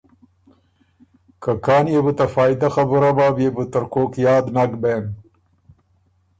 که کان يې بو ته فائده خبُره بَۀ بيې بو ترکوک یاد نک بېن۔